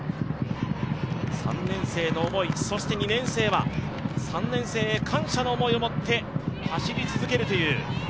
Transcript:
３年生の思い、そして２年生は３年生へ感謝の思いをもって走り続けるという。